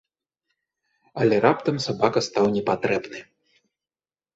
Але раптам сабака стаў непатрэбны.